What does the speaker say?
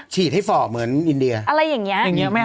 ฉีดให้ฝ่อเหมือนอินเดียอะไรอย่างนี้ไหมค